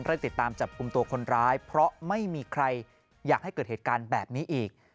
ติดตามจับกลุ่มตัวคนร้ายเพราะไม่มีใครอยากให้เกิดเหตุการณ์แบบนี้อีก